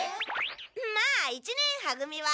まあ一年は組は。